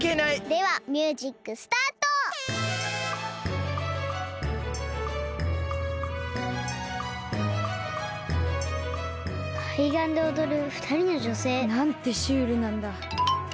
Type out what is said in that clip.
ではミュージックスタート！かいがんで踊るふたりのじょせい。なんてシュールなんだ。